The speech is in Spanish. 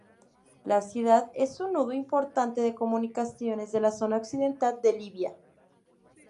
La ciudad es un nudo importante de comunicaciones de la zona occidental de Libia.